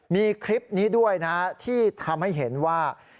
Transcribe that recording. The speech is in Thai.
มีคลิปนี้ด้วยนะที่ทำให้เห็นว่า